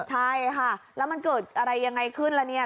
ใช่ค่ะแล้วมันเกิดอะไรยังไงขึ้นล่ะเนี่ย